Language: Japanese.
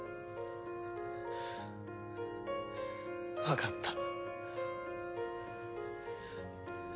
わかった。